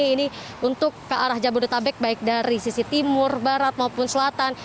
ini untuk ke arah jabodetabek baik dari sisi timur barat maupun selatan